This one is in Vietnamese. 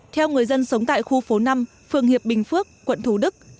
theo người dân sống tại khu phố năm phường hiệp bình phước quận thủ đức